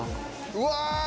うわ！